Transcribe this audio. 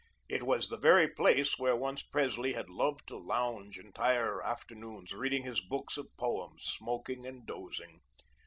It was the very place where once Presley had loved to lounge entire afternoons, reading his books of poems, smoking and dozing.